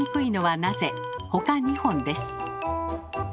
ほか２本です。